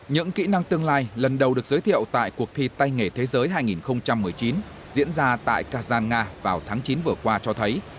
những kỹ năng tương lai lần đầu được giới thiệu tại cuộc thi tay nghề thế giới hai nghìn một mươi chín diễn ra tại kazan nga vào tháng chín vừa qua cho thấy